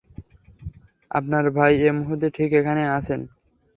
আপনার ভাই এ মুহূর্তে ঠিক এখানেই আছেন।